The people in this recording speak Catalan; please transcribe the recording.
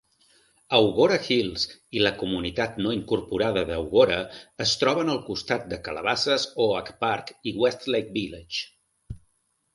Agoura Hills i la comunitat no incorporada d'Agoura es troben al costat de Calabasas, Oak Park i Westlake Village.